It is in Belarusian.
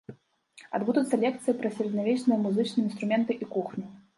Адбудуцца лекцыі пра сярэднявечныя музычныя інструменты і кухню.